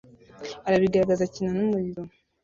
arabigaragaza akina numuriro!